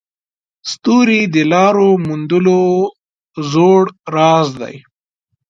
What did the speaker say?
ستوري د لارو موندلو زوړ راز دی.